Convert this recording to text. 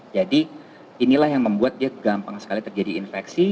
jadi inilah yang membuat dia gampang sekali terjadi infeksi